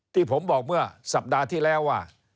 ที่ผมบอกเมื่อสัปดาห์ที่แล้วว่า